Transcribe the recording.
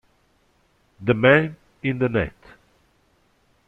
The Man in the Net